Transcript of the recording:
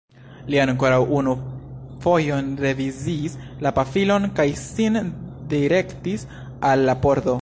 Li ankoraŭ unu fojon reviziis la pafilon kaj sin direktis al la pordo.